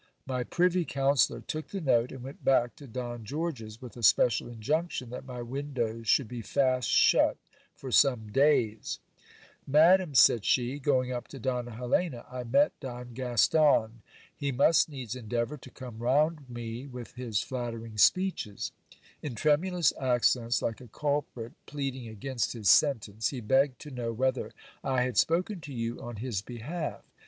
My privy counsellor took the note, and went back to Don George's, with a special injunction that my windows should be fast shut for some days. Madam, said she, going up to Donna Helena, I met Don Gaston. He must needs endeavour to come round me with his nattering speeches. In tremulous accents, like a culprit pleading against his sentence, he begged to know whether 1 had spoken to you on his behalf.